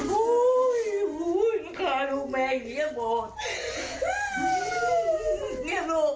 ลูกแม่อย่างนี้อย่างบอด